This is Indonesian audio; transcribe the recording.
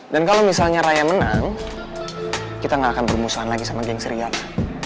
dan kalau misalnya raya menang kita gak akan bermusuhan lagi sama geng seriala